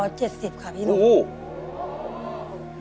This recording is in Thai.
ร้อยเจ็ดสิบค่ะพี่นุ่มโอ้โฮ